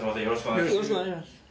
よろしくお願いします。